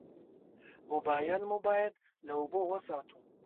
موبایل مو باید له اوبو وساتو.